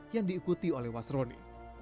yang diikuti oleh wasroni